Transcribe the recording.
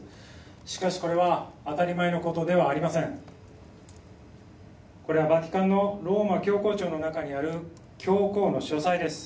しかしこれは当たり前のことではありませんこれはバチカンのローマ教皇庁の中にある教皇の書斎です